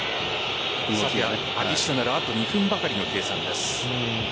アディショナルあと２分ばかりの計算です。